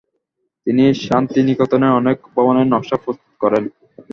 তিনি শান্তিনিকেতনের অনেক ভবনের নকশা প্রস্তুত করেন।